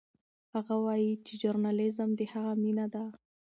هغه وایي چې ژورنالیزم د هغه مینه ده.